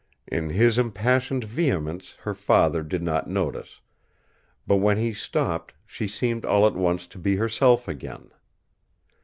In his impassioned vehemence her father did not notice; but when he stopped she seemed all at once to be herself again.